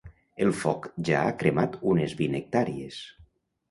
El foc ja ha cremat unes vint hectàrees.